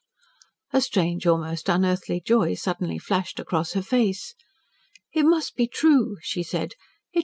A strange, almost unearthly joy suddenly flashed across her face. "It must be true," she said.